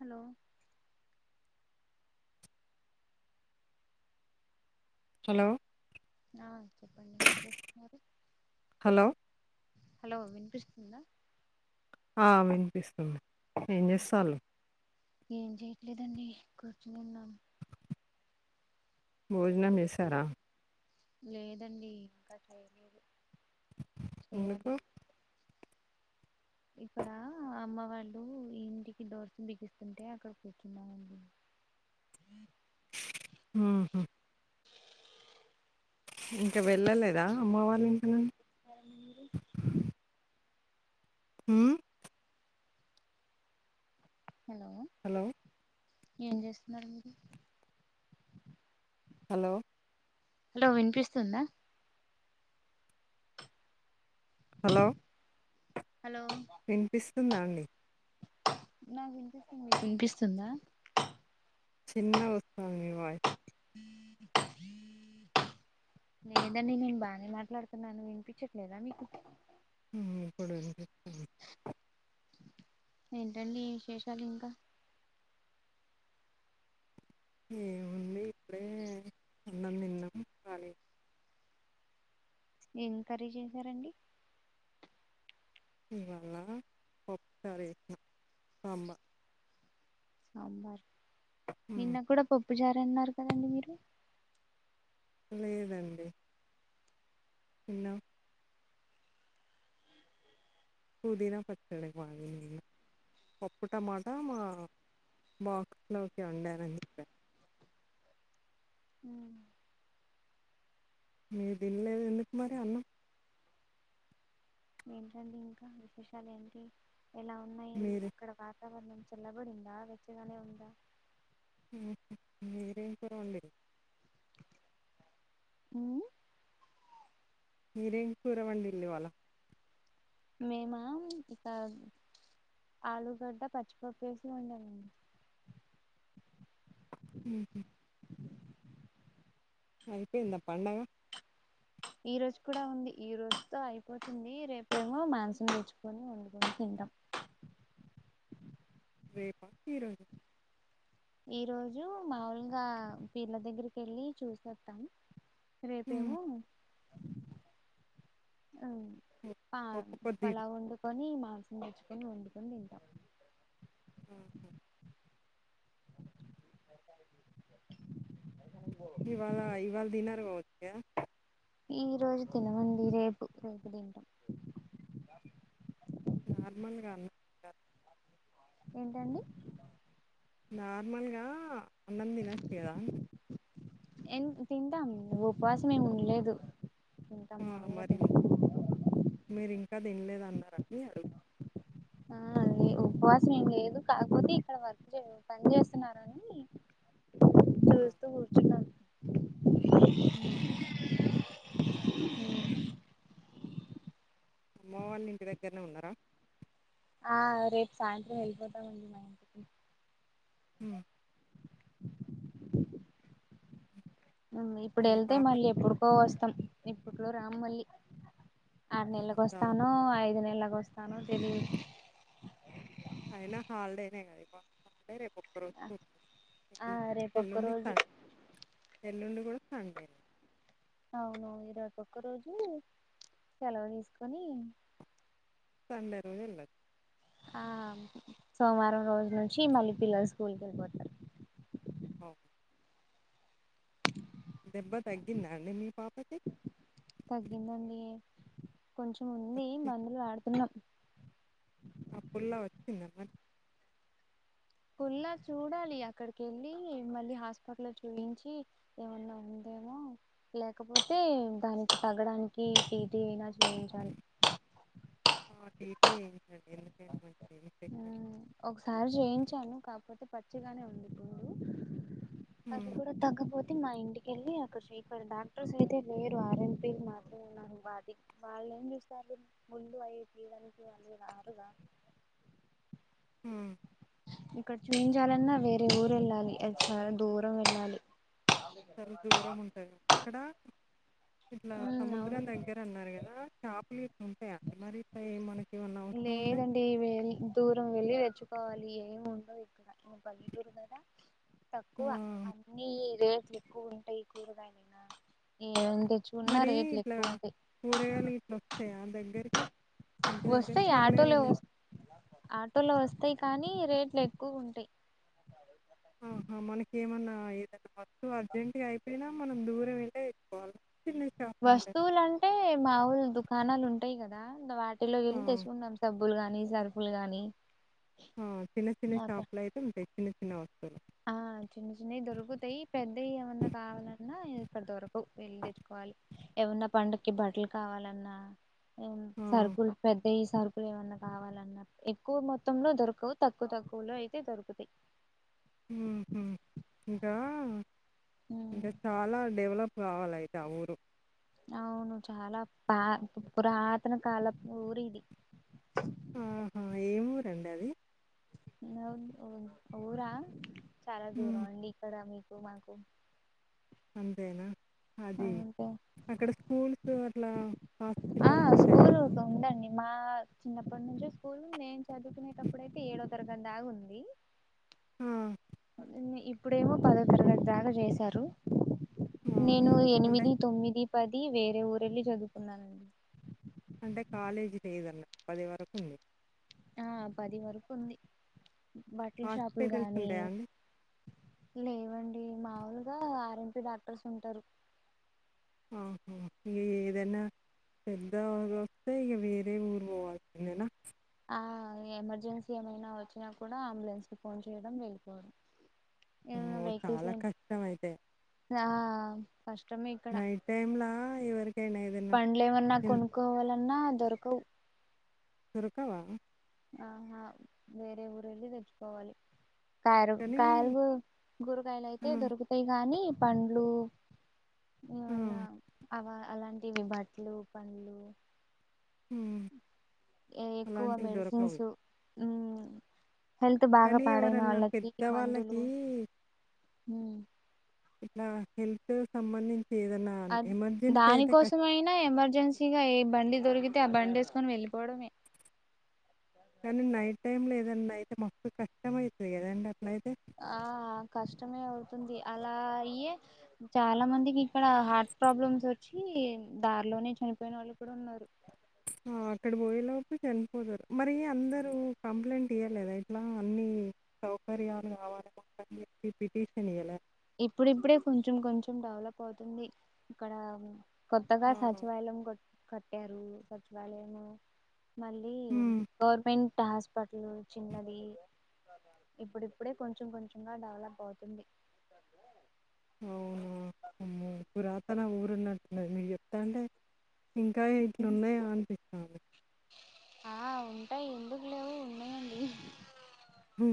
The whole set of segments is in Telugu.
హలో. హలో. ఆహ్ చెప్పండి మీరు చేస్తున్నారు. హలో. ఆహ్ వినిపిస్తుందా. ఆహ్ వినిపిస్తుంది ఏం చేస్తులు. ఏం చేయట్లేదండి కూర్చుని ఉన్నాం. భోజనం చేసారా. లేదండి ఇంకా చేయలేదు ఎందుకు చేయాలి. ఇక్కడ అమ్మ వాళ్ళు ఇంటికి డోర్స్ బిగిస్తుంటే అక్కడ కూర్చున్నామండి. ఉమ్ ఆహ్. ఇంకా వెళ్ళలేదా అమ్మ వాళ్ళ ఇంటినుంచి. ఉ హలో హలో ఏం చేస్తున్నారు మీరు హలో హలో వినిపిస్తుందా హలో హలో వినిపిస్తుందా అండి నాకు వినిపిస్తుంది మీకు వినిపిస్తుందా చిన్నగోస్తాంది మి వాయ్ లేదండి నేను బానే మాట్లాడుతున్నాను వినిపించట్లేదా మీకు ఇప్పుడు చెప్పు ఏంటండి విశేషాలు ఇంకా ఏముంది ఇప్పుడే అన్నం తిన్నం కాలి ఎం కర్రి చేశారండి ఇవాళ ఒక్కసారి వేసిన అమ్బ సాంబార్ ఉమ్ నిన్న కూడా పప్పు చారు అన్నారు కదండి మీరు లేదండి తిన్నం పుదినా పచ్చడెమో అండి నిన్న పప్పు టమాటా మా బాక్స్ లోకి వండానని చెప్పాను ఆ మీర్ దిన్ల్లేదు ఎందుకు మరి అన్నం ఏంటండి ఇంకా విశేషాలు ఏంటి ఎలా ఉన్నాయి మీరే అక్కడ వత వాతావరణం చల్లా బడింద వెచ్చగానే ఉంద మీరేం కూర వండిర్రు ఉ మీరేం కూర వందేళ్లు ఇవాళ మేమా ఇకా ఆలుగడ్డ పచ్చిపప్పు ఏసీ వండానండి అయిపోయిందా పండగ ఈ రోజు కూడా ఉంది ఈ రోజుతో అయిపోతుంది రేపేమో మాంసం తెచ్చుకొని వండుకొని తింటాం రేపా ఈరోజు ఈ రోజు మాములుగా పీర్ల దగ్గరికి వెళ్ళి చూసి వస్తాం రేపేమో ఆ ఆ ఒక్క ప పొద్దు పలావ్ వండుకొని మా మాంసం తెచ్చుకొని వండుకొని తింటాం ఇవాళ ఇవాళ తినరు కావచ్చు ఈ రోజు తినమండి రేపు రేపు తింటం నార్మల్గానా ఏంటండి నార్మల్గా అన్నం తినొచ్చు కదా ఎం తింటాం నువ్వు ఉపవాసం ఏమి ఉండలేదు తింటాం ఆ మాములుగా మరి తింటాం మీరు ఇంకా తినలేద అన్నారండి అడుగు ఆ ఉపవాసం ఏం లేదు కాకపోతే ఇక్కడ వర్క్ చే పని చేస్తున్నాని ఆ [inaudible] హ అమ్మ వాళ్ళ ఇంటి దగ్గరనే ఉన్నారా ఆ రేపు సాయంత్రం వెళ్ళిపోతామండి మా ఇంటికి హ ఇప్పుడు మీ వెళ్తే పాప మళ్ళీ ఎప్పుడుకో వస్ ఇప్పట్లో రాను మళ్ళీ ఆరు ఆ, నెల్లకు చాలా వస్తానో ఐదు నెల వస్తానో తెలీదు అయినా హల్డేనే కాద రే ఒక్కరోజుకు ఆ రేపొక్క ఎల్లుండి రోజు ఎల్లుండి కూడా అంతే అవును రేపొక్కరోజు సెలవు తీసుకొని సండే రోజు ఎల్ల ఆ సోమవారం రోజు నుంచి మళ్ళీ పిల్లలు స్కూల్కి వెళ్ళిపోతారు ఓ దెబ్బ తగ్గిందా అండి మీ పాపకి తగ్గిందండి కొంచెం ఉంది మందులు వాడుతున్నాం అప్పుడ్ల వచ్చిందమ్మారి ఫుల్లా చూడాలి అక్కడికి వెళ్ళి మళ్ళీ హాస్పిటల్ చూయించి ఏమన్నా ఉంది మో లేకపోతే దానికి తగ్గడానికి వేర చుయించాలి సిటీ చేయించండి ఎందుకైన మంచి ఒకసారి చేయించాను కాకపోతే పచ్చిగానే ఉంది పుండు అది కూడా తగ్గపో అయి మా ఇంటికెళ్ళి అక్కడ శ్రీకర్ డాక్టర్స్ అయితే లేరు ఆర్ఎంపీలు మాత్రమే ఉన్నారు వాది ఏం చూస్తారు ముందు ఏపియ్యడానికి వాళ్లు రారుగా హు ఇక్కడ చూపించాలన్న వేరే ఊరు వెళ్ళాలి అది చాలా దూరం వెళ్ళాలి చాలా దూరం ఉంటాది అక్కడ ఇట్లా అవును సముద్రం దగ్గర అన్నారు కదా చాపలు ఇట్ల ఉంటాయి అంత మనకి ఏమన్నా అవసరం ఉంటే లేదండి వె దూరం వెళ్లి తెచ్చుకోవాలి ఏమి ఉండవు ఇక్కడ బల్దురు కదా తక్కువ అన్నీ రేట్ ఎక్కువ ఉంటాయి కూరగాయలైన మరి ఇట్లా కూరగాయలు ఇట్లా వస్తాయి ఆ దగ్గరికి ఇంటి దగ్గరకి వస్తాయి ఆటోలో వస్ ఆటోలో వస్త వస్తాయి కానీ రేట్లు ఎక్కువ ఉంటాయి ఆహా మనకి ఏమన్నా ఏదైనా ఫస్ట్ అర్జెంట్గా అయిపోయినా మనం దూరం వెళ్లే తెచ్చుకోవాలి చిన్న షాపులు ఉంటాయి వస్తువులు అంటే మాములు దుకాణాలు ఉంటాయి కదా వాటిలో కెళ్ళి ఆ, తెచ్చుకుంటాం స కూల్ గానీ సర్ఫుల్ గానీ ఆ చిన్న చిన్న షాప్ల అయితే ఉంటయి చిన్న చిన్న వస్తువులు ఆ చిన్న చిన్నవి దొరుకుతాయి పెద్దవి ఏమన్నా కావాలన్నా ఇంక దొరకవ్ వెళ్ళి తెచ్చుకోవాల ఏమన్నా పండక్కి బట్టలు కావాలన్నా ఆ! సరుకులు పెద్ సరుకులు ఏవన్నా కావాలన్న ఎక్కువ మొత్తంలో దొరకవు తక్కువ తక్కువలో అయితే దొరుకుతాయ్ ఇంకా ఉమ్. ఇంకా చాలా డెవలప్ కావాలయితే ఆ ఊరు అవును చాలా పా పురాతన కాలపు ఊరిది అహ ఎం ఊరండి అది న ఊరా చాలా దూరం హ్మ్. అండి ఇక్కడ మాకు అంతేనా అది అంటే అక్కడ స్కూల్స్ అట్లా ఆ హాస్పిటల్స్ ఉంటాయా స్కూల్ ఉందండి మా చిన్నప్పటి నుంచే స్కూల్ ను నేను చదువుకునేటప్పుడు అయితే ఏడో తరగతి దాగ ఉంది ఆ! ఇప్పుడేమో పదో తరగతి దాకా చేశారు ఆహా! నేను అంటే, ఎనిమిది తొమ్మిది పది వేరే ఊరెళ్ళి చదువుకున్నానండి అంటే కాలేజీ లేదన్న పది వరకు ఉంది ఆ పది వరకు ఉంది బట్లు షాపులు హాస్పిటల్స్ గానీ ఉంటాయా అండి? లేవం ఈ మాముూలుగా ఆర్ఎంపి డాక్టర్స్ ఉంటారు ఏదన్నా పెద్ద ఊరు త్తే ఇగ వేరె ఊరు బోవాల్సిందేనా ఆ ఎమర్జెన్సీ ఏమైనా వచ్చినా కూడా అంబులెన్స్ కి ఫోన్ చేయడం వెళ్ళిపోవడం ఏదన్న అమ్మో! వెకిల్స్ చాలా ఏం కష్టమయితే. ఆ కష్టమే ఇక్కడ నైట్ టైమ్‌లా ఎవరికైనా ఏదైనా పండ్లు ఏమన్నా హ్మ్. కొనుక్కోవాలన్నా దొరక్ కవ్ దొరకవా అహ వేరే ఊరు వెళ్ళి తెచ్చుకోవాలి కారు కానీ కాయలు కూరగాయలు అయితే ఆ! దొరుకుతాయి కానీ పండ్లు ఆ! ఏమన్నా అవ అలాంటివి బట్లు పండ్లు హ్మ్. ఎ ఎక్కువ అలాంటివి దొరకవు. మెడిసేన్సు హెల్త్ బాగా కానీ పాడైన ఎవరన్నా వాళ్ళకి మందులు పెద్దవాళ్ళకి ఇలా హెల్త్ సంబంధిం అ దానికోసమయినా ఎమర్జెన్సీగా ఏ బండి దొరికి అ బండేసుకొని వెళ్ళిపోవడమే కానీ నైట్ టైమ్ లో ఏదన్నా అయితే మస్తు కష్టం అయితుంది కదండి ఆ కష్టమే అవుతుంది అలా అయ్యే చాలా మందికి ఇక్కడ హార్ట్ ప్రాబ్లమ్స్ వచ్చి దారిలోనే చనిపోయిన వాళ్ళు కూడా ఉన్నారు ఆ అక్కడ పోయేలోపు చనిపోతారు మరి అందరు కంప్లైంట్ ఇయ్యలేదా ఇట్లా అ సౌకర్యాలు కావాలని చెప్పి పిటిషన్ ఇయల ఇప్పుడిప్పుడే కొంచెం కొంచెం డెవలప్ అవుతుంది ఇక్కడ కొత్తగా ఆ! సచివాలయం కట్టారు సచివాలయ మళ్ళీ హ్మ్. గవర్నమెంట్ హాస్పిటల్ చిన్నది ఇప్పుడిప్పుడే కొంచెం కొంచెంగా డెవలప్ అవుతుంది అవునా పురాతన ఊరున్నట్టున్నది మీరు చెప్తాంటె ఇంకా ఇట్లున్నాయా అనిపిస్తంది ఆ ఉంటాయి ఎందుకు లేవు ఉన్నాయండి హ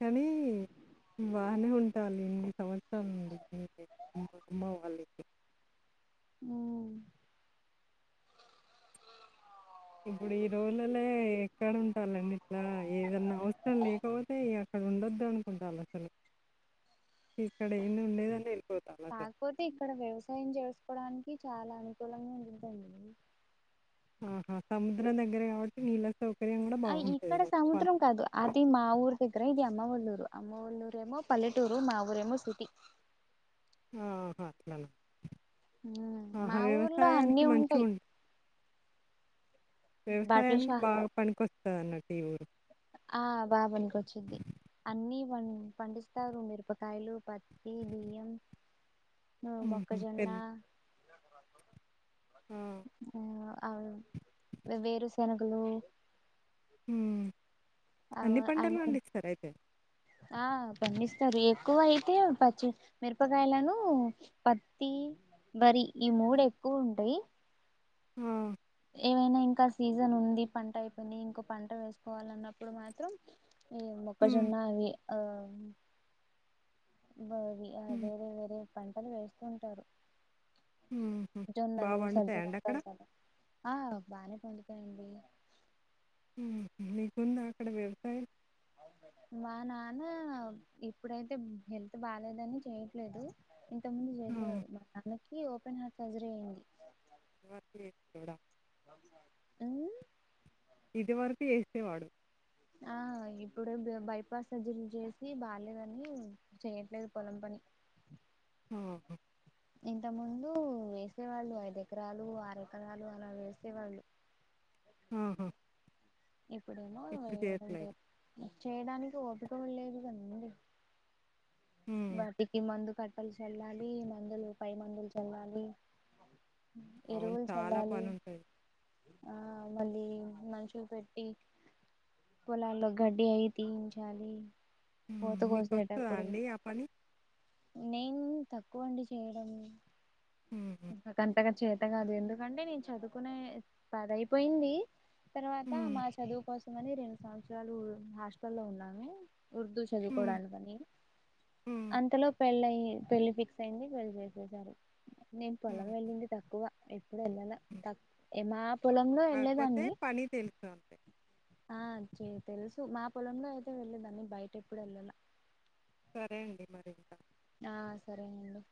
కానీ బానే ఉంటాన్నారు ఇన్ని సంవత్సరాల నుండి [unintelligible] వాళ్లదగ్గర అ ఇప్పుడు ఈ రోలలే ఎక్కడ ఉంటాలండి ఇట్లా ఏదన్నా అవసరం లేకపోతే ఇగ ఇక్కడ ఉండొదు అనుకుంటాను అసలు ఇక్కడ ఏంది ఉండేదండి కాకపోతే ఇక్కడ వ్యవసాయం చేసుకోడానికి చాలా అనుకూలంగా ఉంటుందండి ఆహా సముద్రం దగ్గరే కాబట్టి నీళ్ళ సౌకర్యం కూడా ఆ బాగుంటది. ఇక్కడ ప సముద్రం కాదు అది మా ఊరిదగ్ ఇక్కడ ఇది అమ్మ వొల్లూరు అమ్మ వొల్లూరేమో పల్లెటూరు మా ఊరేమో సిటీ ఆహా అట్లానా ఉమ్ ఆహా మా ఊర్లో వ్యవసాయానికి అన్ని మంచిగా ఉంటాయి ఉం బట్టల వ్యవసాయానికి షా బాగా పనికొస్తది అన్నట్టు ఈ ఊరు ఆ బాపనికొచ్చిధి అన్ని పం పండిస్తారు మిరపకాయలు పత్తి బియ్యం హ్ హుహు. పెద్ మొక్కజొన్నా ఆ! ఆ అ వేరు శెనగ్లు హ్ అన్ని పంటలు అవి పండిస్తరు అయితే ఆ పండిస్తరు ఎక్కువ అయితే పచ్చి మిరపకాయలనూ పత్తి వర్రీ ఈ మూడు ఎక్కువ ఉంటయి ఆ ఏవైనా ఇంకా సీజన్ ఉంది పంట అయిపోయింది ఇంకో పంట వేసుకోవాలన్నప్పుడు మాత్రం ఈ హ్మ్. మొక్కజొన్న అవి ఆ హ్మ్. వేరే వేరే పంటలు వేస్తూ ఉంటారు హుహు. బా జొన్నలు సజ్జలు పండుతాయండి అక్కడ? అంటారు కదా ఆ బానే పండుతాయండి మీకుందా అక్కడ వ్యవసాయం మా నాన్న ఇప్పుడైతే హెల్త్ బాలేదని చెయట్లేదు ఇంతకు ముందు ఆ! చేసేవారు మా నాన్నకి ఓపెన్ హార్ట్ సర్జరీ అయింది వర్క్ చేసేటోడా హ్ ఇది వరకు చేసేవాడు ఆ ఇప్పుడు బైపాస్ సర్జరీలు చేసి బాలేదని చెయట్లేదు పొలం పని ఓహో ఇంతక ముందు వేసే వాళ్ళు ఐదు ఎకరాలు ఆరు ఎకరాలు అలా వేసే వాళ్ళు ఆహా ఇప్పుడేమో ఇప్పుడు రెండు చేయట్లేదు. చేయడానికి ఓపిక కూడా లేదు కదండి హ్మ్. వాటికి మందు కట్ కలిసేల్లాలి మందులు పై మందులు చల్లాలి అవును. ఎరువులు చాలా చల్లాలి పనుంటది. ఆ మళ్ళీ మనుషులు పెట్టి పొలాల్లో గడ్డి అయి తీయించాలి హ్మ్. కోత మీకొస్తదా కోసేటప్పుడు అండి ఆ పని నేను తక్కువండి చేయడం హుహు. అంత కాదు ఎందుకంటే నేను చదువుకునే పదయిపోయింది తర్వాత హ్మ్. మా చదువుకోసం అందుకని రెండు సంవత్సరాలు హాస్టల్ లో ఉన్నాను. ఉర్దూ హ్మ్. చదువుకోవడానికి అనీ హ్మ్. అంతలో పెళ్ళయి ఎ పెళ్లి ఫిక్స్ అయింది పెళ్లి చేసేసారు నేను పొలం హ్మ్. వెళ్ళింది తక్కువా ఎప్పుడు వెళ్ళలా త ఏ మా పొలంలో కాకపోతే వెళ్ళేదాన్ని. పని తెలుసు అంతే. ఆ చే తెలుసు మా పొలంలో అయితే వెళ్ళేదాన్ని బయట ఎప్పుడు వెళ్ళలా. సరే అండి మరి ఇంకా ఆ సరే అండి.